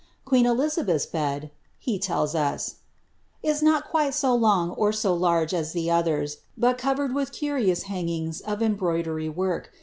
Qqeen EUizabeth's bed," he tells us, ^^ is not quite so long or so larse as the others, but covered with curious hangings of embroidery work.